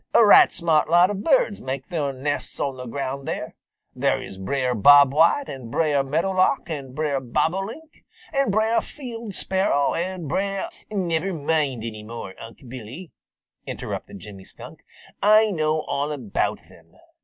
A right smart lot of birds make their nests on the ground there. There is Brer Bob White and Brer Meadowlark and Brer Bobolink and Brer Field Sparrow and Brer " "Never mind any more, Unc' Billy," interrupted Jimmy Skunk. "I know all about them.